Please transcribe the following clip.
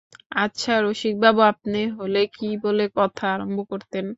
আচ্ছা রসিকবাবু, আপনি হলে কী বলে কথা আরম্ভ করতেন?